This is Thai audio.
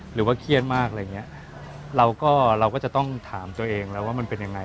หรือว่าเครียดมากอะไรอย่างเงี้ยเราก็เราก็จะต้องถามตัวเองแล้วว่ามันเป็นยังไง